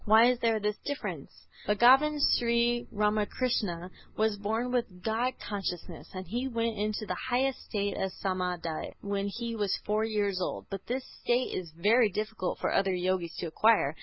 Why is there this difference? Bhagavan Sri Ramakrishna was born with God consciousness, and he went into the highest state of Samâdhi when he was four years old; but this state is very difficult for other Yogis to acquire.